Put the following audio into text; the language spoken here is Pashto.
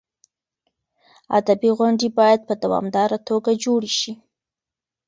ادبي غونډې باید په دوامداره توګه جوړې شي.